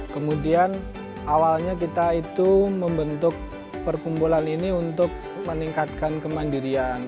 kemudian awalnya kita itu membentuk perkumpulan ini untuk meningkatkan kemandirian